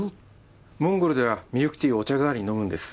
モンゴルではミルクティーをお茶代わりに飲むんです。